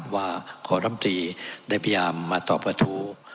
ว่าขอต้ำทรีย์ได้พยายามมาต่อประธู